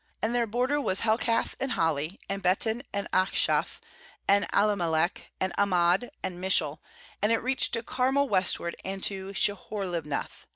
25And their bor der was Helkath, and Hali, and Beten, and Achshaph; 26and Allammelech, and Amad, and Mishal; and it reached to Carmel westward, and tp Shihor Hbnath.